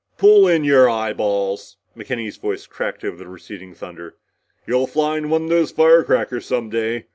"Pull in your eyeballs!" McKenny's voice crackled over the receding thunder. "You'll fly one of those firecrackers some day.